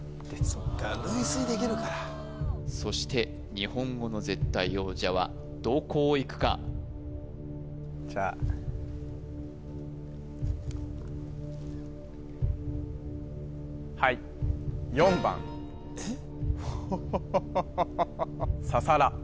そっか類推できるからそして日本語の絶対王者はどこをいくかじゃあはいえっ？